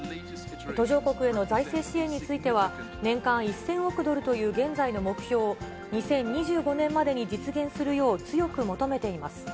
途上国への財政支援については、年間１０００億ドルという現在の目標を、２０２５年までに実現するよう強く求めています。